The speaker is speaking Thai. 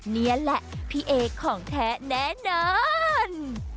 นี่แหละพี่เอของแท้แน่นอน